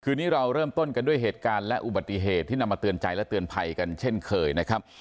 นี้เราเริ่มต้นกันด้วยเหตุการณ์และอุบัติเหตุที่นำมาเตือนใจและเตือนภัยกันเช่นเคยนะครับ